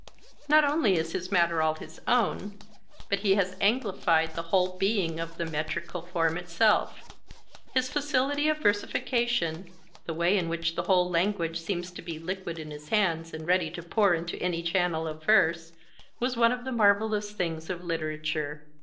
Not only is his matter all his own, but he has Anglified the whole being of the metrical form itself. His facility of versification, the way in which the whole language seems to be liquid in his hands and ready to pour into any channel of verse, was one of the marvelous things of literature.